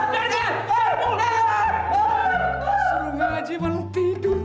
seru gak ngaji malah tidur